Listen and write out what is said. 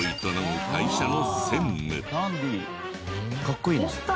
かっこいいね。